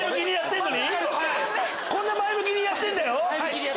こんな前向きにやってんのに？